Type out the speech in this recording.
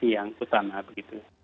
yang utama begitu